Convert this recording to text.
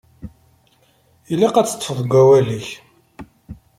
Ilaq ad teṭṭfeḍ deg wawal-ik.